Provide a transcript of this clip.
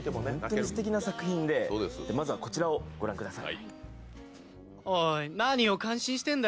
本当にすてきな作品でまずはこちらをご覧ください。